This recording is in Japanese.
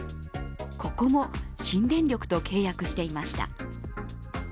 ここも新電力と契約していました。